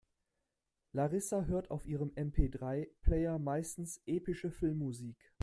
Larissa hört auf ihrem MP-drei-Player meistens epische Filmmusik.